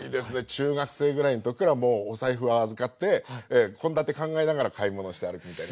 中学生ぐらいの時からもうお財布は預かって献立考えながら買い物して歩くみたいな。